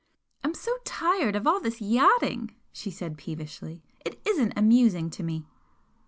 "I'm so tired of all this yachting!" she said, peevishly. "It isn't amusing to me!"